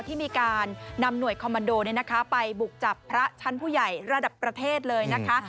ที่มีการนำหน่วยคอมมันโดไปบุกจับพระชั้นผู้ใหญ่ระดับประเทศเลยนะคะ